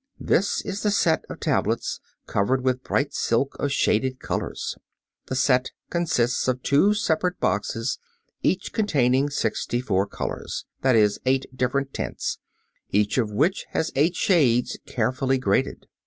This is the set of tablets covered with bright silk of shaded colors. The set consists of two separate boxes each containing sixty four colors; that is, eight different tints, each of which has eight shades carefully graded.